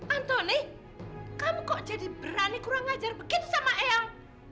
antoni kamu kok jadi berani kurang ngajar begitu sama eyang